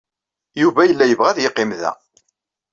Yuba yella yebɣa ad yeqqim da.